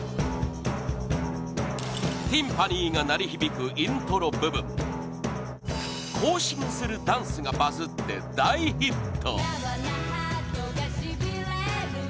ティンパニーが鳴り響くイントロ部分行進するダンスがバズって大ヒット！